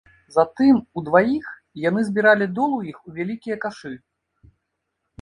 Затым удваіх яны збіралі долу іх у вялікія кашы.